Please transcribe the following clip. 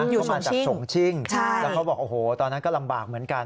อยู่สงชิงใช่อยู่สงชิงแล้วเขาบอกโอ้โหตอนนั้นก็ลำบากเหมือนกัน